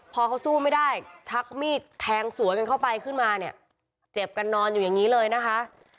พอเขาสู้ไม่ได้ชักมีดแทงสวนกันเข้าไปขึ้นมาเนี่ยเจ็บกันนอนอยู่อย่างนี้เลยนะคะ